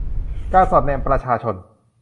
การสอดแนมประชาชน